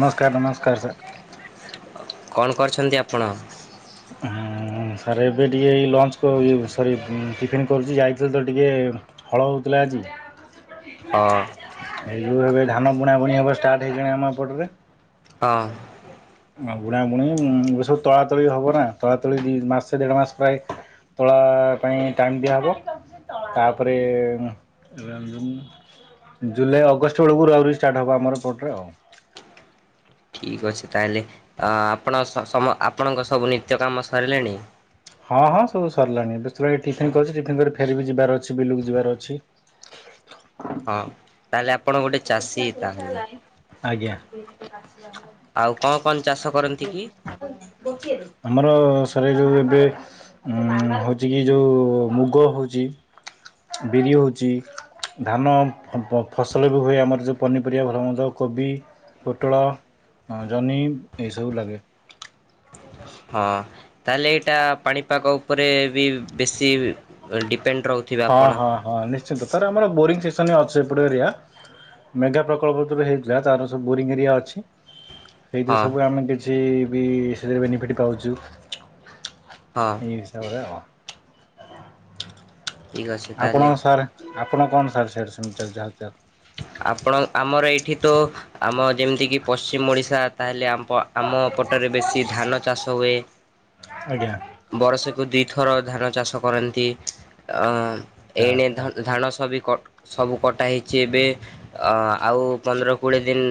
ନମସ୍କାର। ନମସ୍କାର ସାର୍। କଣ କରିଛନ୍ତି ଆପଣ? ହୁଁ। ହଁ ସାର୍ ଏବେ ଟିକିଏ ଏଇ ଲଞ୍ଚ୍। ସରି ଟିଫିନ୍ କରୁଛି ଯାଇଥିଲି ତ ଟିକେ ହଳ ହଉଥିଲା ଆଜି। ହଁ ଏଇ ଯୋଉ ଏବେ ଧାନ ବୁଣାବୁଣି ହବ ଷ୍ଟାର୍ଟ ଏଇକ୍ଷିଣା ଆମ ଏଇ ପଟରେ।। ହଁ ଆ ବୁଣା ବୁଣି ସବୁ ତଳାତଳି ହେବ ନା। ତଳାତଳି ମାସେ ଦେଢ଼ ମାସ ପ୍ରାୟ ତଳା ପାଇଁ ଟାଇମ୍ ଦିଆହେବ। ତାପରେ ଜୁଲାଇ ଅଗଷ୍ଟ ବେଳକୁ ଆହୁରି ଷ୍ଟାର୍ଟ ହେବ ଆମର ଏପଟ ଆଉ। ଠିକ୍ ଅଛି ତାହେଲେ। ଆପଣ ସ-ସମ-ଆପଣଙ୍କ ସବୁ ନିତ୍ୟ କାମ ସରିଲାଣି? ହଁ ହଁ ସବୁ ସରିଲାଣି। ବେଶ୍ [unintelligible] ଟିଫିନ୍ କରି। ଟିଫିନ ଧରି ଫେରିବି ଯିବାର ଅଛି ବିଲକୁ ଯିବାର ଅଛି। ହଁ ତାହେଲେ ଆପଣ ଗୋଟେ ଚାଷୀ। ତାହେଲେ। ଆଜ୍ଞା। ଆଉ କଣ କଣ ଚାଷ କରନ୍ତି କି? ଆମର ସାର୍ ଏ ଯୋଉ ଏବେ ଉ ହଉଛି କି ଯୋଉ ମୁଗ ହଉଚି ବିରି ହେଉଚି, ଧାନ ଫ-ଫ-ଫସଲ ବି ହୁଏ ଆମର ଯେଉଁ ପନିପରିବା ଭଲ ମନ୍ଦ କୋବି, ପୋଟଳ, ଜହ୍ନି ଏସବୁ ଲାଗେ। ହଁ ତାହେଲେ ଏଇଟା ପାଣିପାଗ ଉପରେ ବି ବେଶୀ ଡିପେଣ୍ଡ୍ ରହୁ ହଁ ହଁ ହଁ ନିଶ୍ଚିନ୍ତ। ତାର ଆମର ବୋରିଂ ସିସନ ଅଛି ଏପଟ ଏରିଆ ମେଗା ପ୍ରକଳ୍ପ ଯେତେବେଳେ ହେଇଥିଲା ତାର ସବୁ ବୋରିଂ ଏରିଆ ଅଛି। ସେଇଥି ହଁ ସବୁ ଆମେ କିଛି ବି ସେଥିରେ ବେନିଫିଟ୍ ପାଉଛୁ। ହଁ ଉଁ। [unintelligible] ଠିକ୍ ଅଛି ତାହେଲେ। ଆପଣଙ୍କ ସାର୍, ଆପଣ କଣ ସାର୍ ସେଆଡେ ସେମିତି ଚାଲଚି ହାଲ୍ ଚାଲ୍। ଆପଣ ଆମର ଏଇଠି ତ ଆମ ଯେମିତିକି ପଶ୍ଚିମ ଓଡ଼ିଶା, ତାହେଲେ ଆମ ଆମ ପଟରେ ବେଶୀ ଧାନ ହାଲଚାଲ ଚାଷ ହୁଏ। ଆଜ୍ଞା ବରଷକୁ ଦିଥର ଧାନ ଚାଷ କରନ୍ତି। ଅ ଆଚ୍ଛା ଏଇନେ ଧା-ଧାନ ସ-ସବି ସବୁ କଟା ହେଇଛି ଏବେ ଅ ଆଉ ପନ୍ଦର କୋଡିଏ ଦିନ୍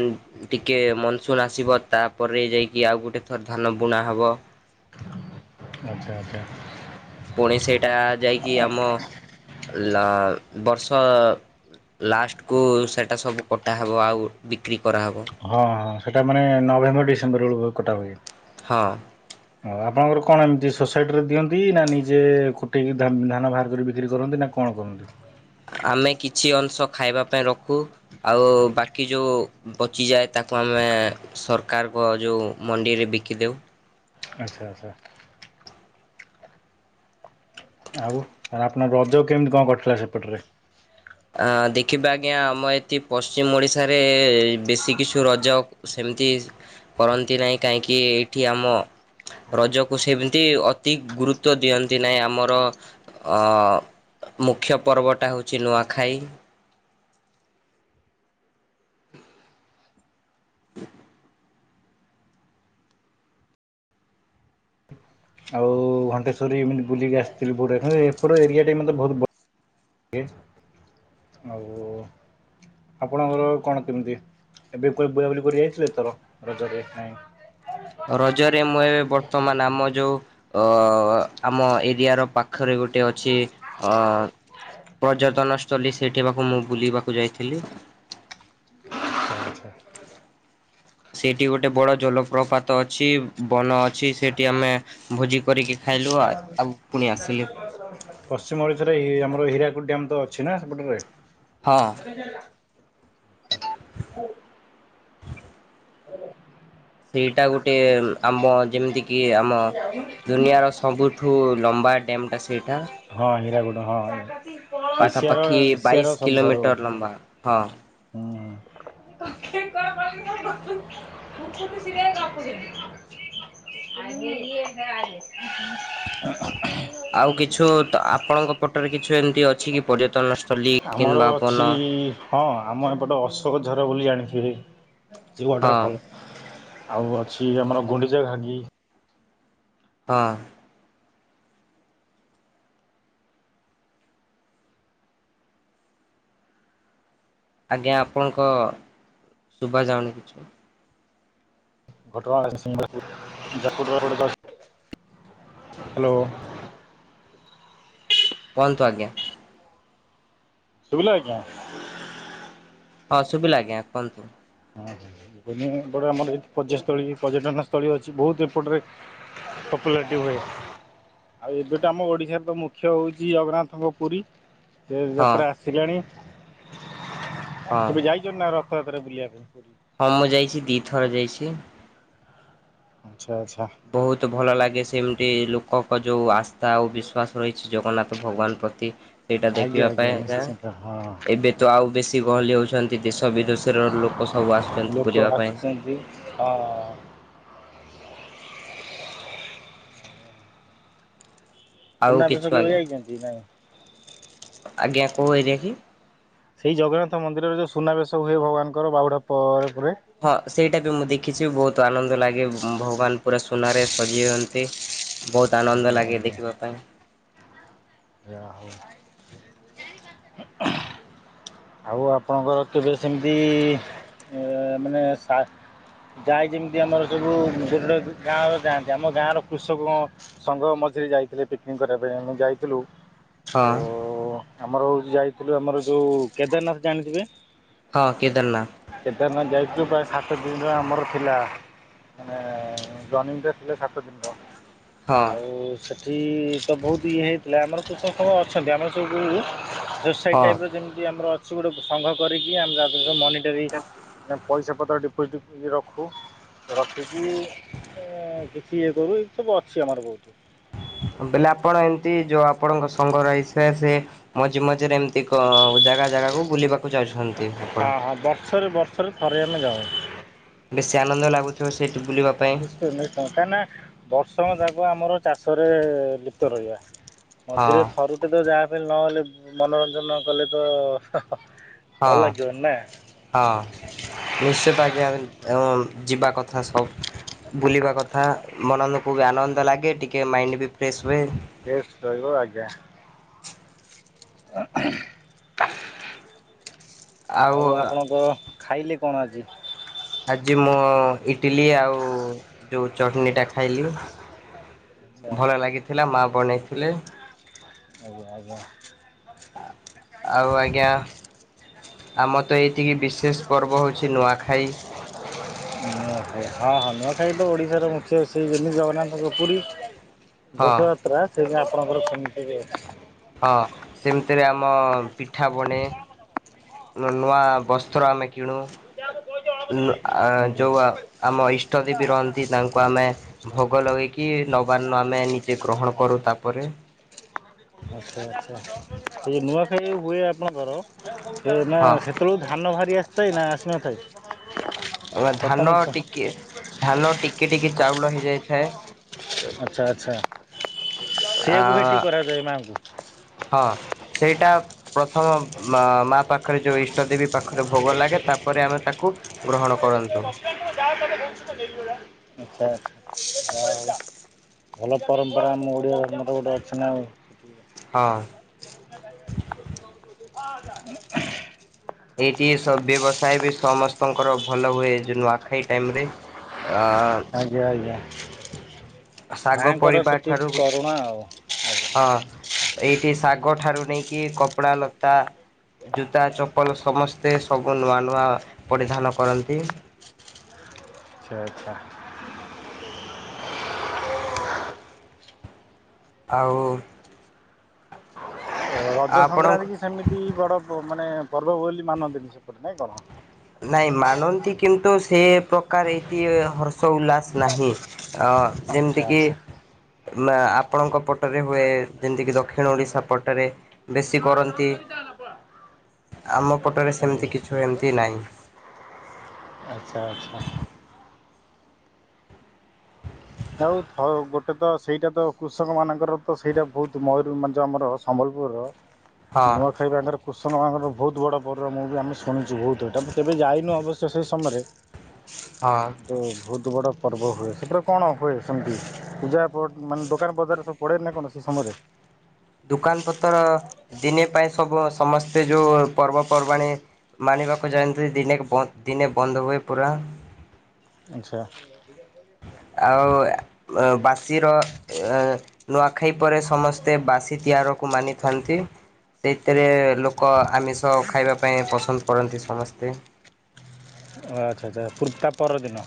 ଟିକେ ମନସୁନ୍ ଆସିବ। ତାପରେ ଯାଇକି ଆଉ ଗୋଟେ ଥର ଧାନ ବୁଣା ହେବ। ଆଚ୍ଛା ଆଚ୍ଛା। ପୁଣି ସେଇଟା ଯାଇକି ଆମ ଅ-ବର୍ଷ ଲାଷ୍ଟକୁ ସେଇଟା ସବୁ କଟାହେବ ଆଉ ବିକ୍ରି କରାହେବ। ହଁ ହଁ ସେଇଟା ମାନେ ନଭେମ୍ବର, ଡିସେମ୍ବର ବେଳକୁ କଟା ହୁଏ। ହଁ। [inaudible] ଅ ଆପଣଙ୍କର କଣ ଏମିତି ଶୋ ସାଇଟିରେ ଦିଅନ୍ତି। ନା ନିଜେ କୁଟକି ଧା-ଧାନ ବାହାର କରି ବିକ୍ରି କରନ୍ତି। ନା କଣ କରନ୍ତୁ। ଆମେ କିଛି ଅଂଶ ଖାଇବା ପାଇଁ ରଖୁ ଆଉ ବାକି ଯେଉଁ ବଚିଯାଏ ତାକୁ ଆମେ ସରକାରଙ୍କ ଯେଉଁ ମଣ୍ଡିରେ ବିକିଦଉ। ଆଚ୍ଛା ଆଚ୍ଛା। ଆଉ ଆପଣଙ୍କ ରଜ କେମିତି କଣ କରିଥିଲା ସେପଟରେ? ଅ ଦେଖିବା ଆଜ୍ଞା ଆମ ଏଠି ପଶ୍ଚିମ ଓଡିଶାରେ ବେଶୀ କିଛିୁ ରଜ ସେମିତି କରନ୍ତି ନାହିଁ କାହିଁକି ଏଇଠି ଆମ ରଜକୁ ସେମିତି ଅତି ଗୁରୁତ୍ୱ ଦିଅନ୍ତି ନାହିଁ ଆମର ଅ ମୁଖ୍ୟ ପର୍ବଟା ହେଉଛି ନୂଆଖାଇ। ଆଉ ଘଣ୍ଟେଶ୍ୱରୀ ଏମିତି ବୁଲିକି ଆସିଥିଲି ବୁର୍ଲା ଠାରେ ଏପଟ ଏରିଆ ଟା ମତେ ବହୁତ ଗେ ଆଉ ଆପଣଙ୍କର କଣ କେମିତି ଏବେ କୁଆଡେ ବୁଲାବୁଲି କରି ଯାଇଥିଲେ ତୋର ରଜରେ ନାଇଁ? ରଜରେ ମୁଁ ଏବେ ବର୍ତ୍ତମାନ ଆମ ଯୋଉ ଅ ଆମ ଏରିଆର ପାଖରେ ଗୋଟେ ଅଛି ଅ ପର୍ଯ୍ୟଟନ ସ୍ଥଳୀ ସେଇଠି ପାକୁ ମୁଁ ବୁଲିବାକୁ ଯାଇଥିଲି। ଆଚ୍ଛା ଆଚ୍ଛା। ସେଇଠି ଗୋଟେ ବଡ ଜଲପ୍ରପାତ ଅଛି। ବନ ଅଛି ସେଠି ଆମେ ଭୋଜି କରିକି ଖାଇଲୁ ଆ ଆଉ ପୁଣି ଆସିଲୁ। ପଶ୍ଚିମ ଓଡ଼ିଶାରେ ଇଏ ଆମର ହୀରାକୁଦ ଡ୍ୟାମ୍ ତ ଅଛି ନା ସେପଟ ଙ୍ଗରେ ହଁ। [unintelligible] [unintelligible] ସେଇଟା ଗୋଟେ ଆମ ଯେମିତି କି ଆ ଆମ ଦୁନିଆର ସବୁଠୁ ଲମ୍ବା ଡ୍ୟାମ୍ ଟା ସେଇଟା ହଁ ହିରାଗୋଡ଼ ହଁ ଏସିଆର ପାଖାପାଖି ବାଇଶ ଏସିଆର ସବୁଠାରୁ କିଲୋମିଟର ଲମ୍ବା ହଁ। [unintelligible] [unintelligible] ଆଉ କିଛୁ ଆପଣଙ୍କ ପଟରେ କିଛି ଏମିତି ଅଛି କି ପର୍ଯ୍ୟଟନ ଆମର ଅଛି। ହଁ ଆମ ଏପଟେ ଅଶୋକ ଝର ବୋଲି ଜାଣିଥିବେ ଯେଉଁ ହଁ ୱାଟରଫଲ୍ ଆଉ ଅଛି ଆମର ଗୁଣ୍ଡିଚା ଘାଙ୍ଗି। ହଁ। ଆଜ୍ଞା ଆପଣଙ୍କ ଶୁଭା ଜାଉନି କିଛି। ଘଟଗଣା [unintelligible] ହ୍ୟାଲୋ କୁହନ୍ତୁ ଆଜ୍ଞା। ଶୁଭିଲା ଆଜ୍ଞା। ହଁ ଶୁଭିଲା ଆଜ୍ଞା କୁହନ୍ତୁ। ହ ବଟ ଆମର ଏଠି ପର୍ଯ୍ୟୟସ୍ଥଳୀ ପର୍ଯ୍ୟଟନ ସ୍ଥଳୀ ଅଛି ବହୁତ ଏପଟରେ ପପୁଲାରଟି ହୁଏ। ଆଉ ଏବେତ ଆମ ଓଡ଼ିଶାରେ ତ ମୁଖ୍ୟ ହଉଛି ଜଗନ୍ନାଥଙ୍କ ପୁରୀ। ସେ ହଁ ଯାତ୍ରା ଆସିଲାଣି ହଁ କେବେ ଯାଇଛ ନା ରଥଯାତ୍ରା ବୁଲିବାକୁ [unintelligible] ହ ମୁଁ ଯାଇଛି ଦୁଇଥର ଯାଇଛି। ଆଚ୍ଛା ଆଚ୍ଛା। ବହୁତ ଭଲ ଲାଗେ ସେମିତି ଲୋକଙ୍କ ଯୋଉ ଆ ତା ଆଉ ବିଶ୍ୱାସ ରହିଛି ଜଗନ୍ନାଥ ଭଗବାନ ପ୍ରତି ସେଇଟା ଆଜ୍ଞା ଦେଖିବା ଆଜ୍ଞା ପାଇଁ ଆକା। ନିଶ୍ଚିନ୍ତ ହଁ। ଏବେ ତ ଆଉ ବେଶୀ ଗହଳି ହୋଉଛନ୍ତି ଦେଶ ବିଦେଶର ଲୋକ ସବୁ ଆସୁଛନ୍ତି ଲୋକ ବୁଲିବା ପାଇଁ। ଆସୁଛନ୍ତି ହଁ। ଆଉ କିଛୁ ସୁନାବେଶ କେବେ ଆଜ୍ଞା ଯାଇଛନ୍ତି ନାଇଁ। ଆଜ୍ଞା କୋଉ ଏରିଆ କି? ସେଇ ଜଗନ୍ନାଥ ମନ୍ଦିରରେ ଯୋଉ ସୁନାବେଶ ହୁଏ ଭଗବାନଙ୍କର ବାହୁଡ଼ା ପରେ ପରେ। ହଁ ସେଇଟା ବି ମୁଁ ଦେଖିଛି ବହୁତ ଆନନ୍ଦ ଲାଗେ ଭଗବାନ ପୁରା ସୁନାରେ ସଜେଇ ହଅନ୍ତି। ବହୁତ ଆନନ୍ଦ ଆଜ୍ଞା ଲାଗେ ଦେଖିବା ପାଇଁ। ଯା ହୋଉ। ଆଉ ଆପଣଙ୍କର କେବେ ସେମିତି ମାନେ ସା ଯାଏ ଯେମିତି ଆମର ସବୁ ଗାଁରେ ଯାଆନ୍ତି ଆମ ଗାଁ ର କୃଷକ ସଙ୍ଗ ମଝିରେ ଯାଇଥିଲେ ପିକ୍ନିକ୍ କରିବା ପାଇଁ ଆମେ ଯାଇଥିଲୁ। ହଁ ତ ଆମର ହୋଉଚି ଯାଇଥିଲୁ ଆମର ଯୋଉ କେଦାରନାଥ ଜାଣିଥିବେ? ହଁ କେଦାରନାଥ। କେଦାରନାଥ ଯାଇଛୁ ପ୍ରାୟ ସାତ ଦିନରେ ଆମର ଥିଲା। ମାନେ ଜନିଂଟା ଥିଲେ ସାତ ଦିନର। ହଁ। ଆଉ ସେଠି ତ ବହୁତ ଇଏ ହେ ହେଲେ ଆମର ତ ସେ ସବୁ ଅଛନ୍ତି ଆମର ସବୁ ରୋସାଇ୍ ହଁ ଟାଇପ୍ ଯେମିତି ଆମର ଅ କିଛି ଗୋଟେ ସଂଘ୍ର କରିକି ଆମେ ତା ମନିଟରି ମାନେ ପଇସା ପତ୍ର ଡିପୋଜିଟ୍ ଇଏ ରଖୁ ରଖିକି- କିଛି ଏ କରୁ ଏ ସବୁ ଅଛି ଆମର ବହୁତ। ବୋଇଲେ ଆପଣ ଏମିତି ଯୋଉ ଆପଣଙ୍କ ସଙ୍ଗ ରହି ସେ ସେ ମଝି ମଝିରେ ଏମିତି ଜାଗା ଜାଗାକୁ ବୁଲିବାକୁ ଯାଉଛନ୍ତି ଆପଣ। ଆଉ ବର୍ଷରେ ବର୍ଷରେ? କାର୍ ରେ ଆମେ ଯାଉ। ବେଶୀ ଆନନ୍ଦ ଲାଗୁଥିବ ସେଇଠି ବୁଲିବାକୁ। ନିଶ୍ଚୟ ନିଶ୍ଚୟ କାହିଁକିନା ବର୍ଷ ଯାକ ଆମର ଚାଷରେ ଲିପ୍ତ ରହିବା। ହଁ ମଝିରେ ଥରୁ ଟେ ତ ଯାହା ପାଇଁ ନହଲେ ମନୋରଞ୍ଜନ ନ କଲେ ତ ଭଲ ହଁ। ଲାଗିବ ବନି ନା। ହଁ ନିଶ୍ଚିତ ଆଜ୍ଞା ଯିବା କଥା ସବ୍। ବୁଲିବା କଥା ମନନକୁ ବି ଆନନ୍ଦ ଲାଗେ ଟିକେ ମାଇଣ୍ଡ ବି ଫ୍ରେଶ ହୁଏ। ରେଷ୍ଟ ରହିବ ଆଜ୍ଞା। ହ ତ ଆଉ ଆପଣଙ୍କ ଖାଇଲେ କଣ ଆଜି? ଆଜି ମୁଁ ଇଟିଲି ଆଉ ଯୋଉ ଚଟଣି ଟା ଖାଇଲି ଆଚ୍ଛା ଭଲ ଆଚ୍ଛା ଲାଗିଥିଲା ମା ବନେଇଥିଲେ। ଆଜ୍ଞା ଆଜ୍ଞା। ଆଉ ଆଜ୍ଞା। ଆମର ତ ଏଇତିକି ବିଶେଷ ପର୍ବ ହୋଉଛି ନୂଆଖାଇ। ହ ନୂଆଖାଇ ହଁ ହଁ ନୂଆଖାଇ ତ ଓଡ଼ିଶାର ମୁଖ୍ୟ ସେଇ ଯେମିତି ଜଗନ୍ନାଥଙ୍କ ପୁରୀ। ଘୋଷ ହଁ ଯାତ୍ରା ସେପାଇ ଆପଣଙ୍କର କେମିତି ବି ଅଛି। ହଁ ସେମିତିରେ ଆମ ପିଠା ବଣେ। ନୂଆ ବସ୍ତ୍ର ଆମେ କିଣୁ। ଯେଉ ଆମ ଇଷ୍ଟ ଦେବୀ ରହନ୍ତି ତାଙ୍କୁ ଆମେ ଭୋଗ ଲଗେଇକି ନବାର୍ଣ ଆମେ ନିଜେ ଗ୍ରହଣ କରୁ ତାପରେ ଏଇ ନୂଆଖାଇ ଜଉ ହୁଏ ଆପଣଙ୍କର ସେ ନା ହଁ ସେତେବେଳକୁ ଧାନ ଭାରି ଆସିଥାଏ ନା ଆସିନଥାଏ? ଆ ଧାନ ପ୍ରଥମ ଥ ଟିକେ ଧାନ ଟିକେ ଟିକେ ଚାଉଳ ହେଇଯାଇଥାଏ। ଆଚ୍ଛା ଆଚ୍ଛା। ସେଆକୁ ଭେଟି ଆ କରାଯାଏ ମାଆଙ୍କୁ? ହଁ ସେଇଟା ପ୍ରଥମ ମା ପାଖରେ ଯୋଉ ଇଷ୍ଟ ଦେବୀ ପାଖରେ ଭୋଗ ଲାଗେ ତାପରେ ଆମେ ତାକୁ ଗ୍ରହଣ କରନ୍ତୁ। ଁ ଯାୁ ନେଇୁଡ଼ା [unintelligible] ଆଚ୍ଛା। ହଲା [inaudible] ଭଲ ପରମ୍ପରା ଆମ ଓଡ଼ିଆ ମାନଙ୍କର ଗୋଟେ ଅଛି ନା ଆଉ। ହଁ। [inaudible] ଆ ଏଇଠି ସବ ବ୍ୟବସାୟ ବି ସମସ୍ତଙ୍କର ଭଲ ହୁଏ ଯୋ ନୂଆଖାଇ ଟାଇମ ରେ। ଆ ଆ ଆଜ୍ଞା ଆଜ୍ଞା ଶାଗ ମାଙ୍କର ପରିବା ଠାରୁ ସେଠିକି କରୁଣା ଆଉ। ଆଜ୍ଞା ହଁ ଏଇଠି ଶାଗ ଠାରୁ ନେଇକି କପଡା ଲତା ଜୁତା ଚପଲ ସମସ୍ତେ ସବୁ ନୂଆ ନୂଆ ପରିଧାନ କରନ୍ତି ଆଚ୍ଛା ଆଚ୍ଛା। ଆଉ ରଜ ଆପଣଙ୍କ ସଂକ୍ରାନ୍ତି କି ସେମିତି ବଡ଼ ମାନେ ପର୍ବ ବୋଲି ମାନନ୍ତିନି ନାଇଁ କଣ? ନାଇଁ ମାନନ୍ତି କିନ୍ତୁ ସେ ପ୍ରକାର ଏଠି ହର୍ଷ ଉଲ୍ଲାସ ନାହିଁ। ଅ ଆଚ୍ଛା ଯେମିତି କିି ଆଚ୍ଛା ନା ଆପଣଙ୍କ ପଟରେ ହୁଏ ଯେମତିକି ଦକ୍ଷିଣ ଓଡିଶା ପଟରେ ବେଶୀ କରନ୍ତି ଆମ ପଟରେ ସେମିତି କିଛି ଏମିତି ନାହିଁ। ଆଛା ଆଚ୍ଛା। ଥାଉ ଥାଉ ଗୋଟେ ତ ସେଇଟା ତ କୃଷକ ମାନଙ୍କର ତ ସେଇଟା ବହୁତ ମୟୁର ମାନେ ଜଉ ଆମର ସମ୍ବଲପୁରର ହଁ ନୂଆଖାଇବାଙ୍କର କୃଷକ ମାଙ୍କର ବହୁତ ବଡ଼ ବର୍ଡ଼ ମୁଁ ବି ଆମେ ଶୁଣିଛୁ ବହୁତ ଏଟା ମୁଁ କେବେ ଯାଇନୁ ଅବଶ୍ୟ ସେହି ସମୟରେ ହ। ହଁ। ବହୁତ ବଡ଼ ପର୍ବ ହୁଏ ସେଟା। କଣ ହୁଏ ସେମିତି ପୂଜା ପ ମାନେ ଦୋକାନ ବଜାରରେ ସବୁ ପଡେ ନା କଣ ସେ ସମୟରେ। ଦୋକାନ ପତର ଦିନେ ପାଇଁ ସବୁ ସମସ୍ତେ ଯୋଉ ପର୍ବପର୍ବାଣି ମାନିବାକୁ ଯାଆନ୍ତି ଦିନେ ଦିନେ ବନ୍ଦ ହୁଏ ପୁରା। ଆଚ୍ଛା। ଠିକ। ଆଉ ବାସିର ନୂଆଖାଇ ପରେ ସମସ୍ତ ସେ ବାସି ତିଆରକୁ ମାନିଥାନ୍ତି। ସେଇଥିରେ ଲୋକ ଆମିଷ ଖାଇବା ପାଇଁ ପସନ୍ଦ କରନ୍ତି ସମସ୍ତେ ଓ ଆଚ୍ଛା ଆଚ୍ଛା ପୁର ତା ପରଦିନ।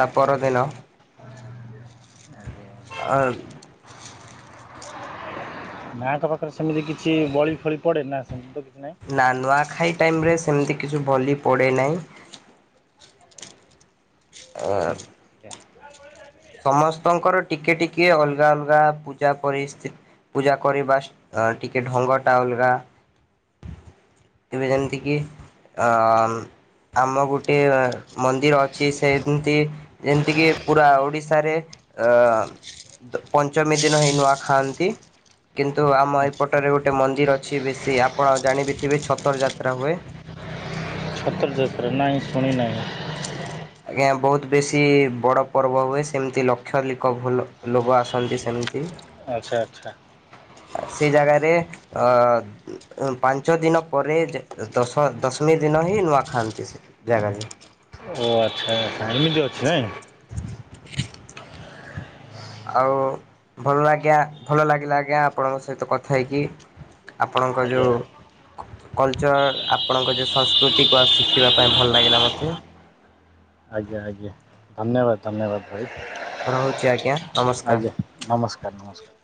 ତା ପରଦିନ ଆ ମାଙ୍କ ପାଖରେ ସେମିତି କିଛି ବଳି ଫଳି ପଡେ ନା ସେମତି ତ କିଛି ନାହିଁ। ନା ନୂଆଖାଇ ଟାଇମ ରେ ସେମିତି କିଛି ବଲି ପଡ଼େ ନାହିଁ। ଆଜ୍ଞା ଆଜ୍ଞା। ସମସ୍ତଙ୍କର ଟିକେ ଟିକେ ଅଲଗା ଅଲଗା ପୂଜା ପରିସ୍ଥିତି ପୂଜା କରିବା ଟିକେ ଢଙ୍ଗଟା ଅଲଗା ଏବେ ଯେମିତି କିି ଅମ୍ ଆମ ଗୋଟେ ମନ୍ଦିର ଅଛି ସେମିତି ଯେମିତି କି ପୁରା ଓଡିଶ ରେ ଅ ପଞ୍ଚମୀ ଦିନ ହି ନୂଆ ଖାଆନ୍ତି କିନ୍ତୁ ଆମ ଆଚ୍ଛା ଏପଟରେ ଗୋଟେ ମନ୍ଦିର ଅଛି ବେଶୀ ଆପଣ ଜାଣିବି ଥିବେ ଛତର ଯାତ୍ରା ହୁଏ। ତର ଯାତ୍ରା ନାହିଁ ଶୁଣି ନାହିଁ। ଆଜ୍ଞା ବହୁତ ବେଶୀ ବଡ଼ ପର୍ବ ହୁଏ ସେମିତି ଲକ୍ଷାଧିକ ଭଲ ଲୋକ ଆସନ୍ତି ସେମିତି। ଆଚ୍ଛା ଆଚ୍ଛା। ସେ ଜାଗାରେ ଅ ପାଞ୍ଚ ଦିନ ପରେ ଦଶ ଦଶମୀ ଦିନ ହିଁ ନୂଆ ଖାଆନ୍ତି ସେ ଜାଗାରେ। ଓ ଆଚ୍ଛା ଆ ଏମିତି ଅଛି ନାଇଁ। ଆଉ ଭଲ ଆଜ୍ଞା ଭଲ ଲାଗିଲା ଆଜ୍ଞା ଆପଣଙ୍କ ସହିତ କଥା ହେଇକି। ଆପଣଙ୍କ ଆଜ୍ଞା ଯଉ କଲଚର୍ ଆପଣଙ୍କ ଯେଉଁ ସଂସ୍କୃତିକୁୁ ଆ ଶିଖିବା ପାଇଁ ଭଲ ଲାଗିଲା ମୋତେ। ଆଜ୍ଞା ଆଜ୍ଞା ଧନ୍ୟବାଦ ଧନ୍ୟବାଦ ରହୁଛି ଆଜ୍ଞା ଭାଇ ନମସ୍କାର। ଆଜ୍ଞା। ନମସ୍କାର। ନମସ୍କାର।